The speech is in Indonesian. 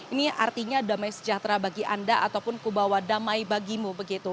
ini artinya damai sejahtera bagi anda ataupun kubawa damai bagimu begitu